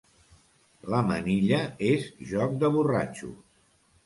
La manilla és joc de borratxos.